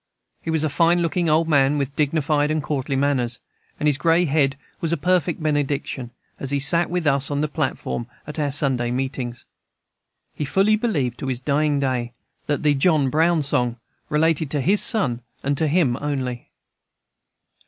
He was a fine looking old man, with dignified and courtly manners, and his gray head was a perfect benediction, as he sat with us on the platform at our Sunday meetings. He fully believed, to his dying day, that the "John Brown Song" related to his son, and to him only.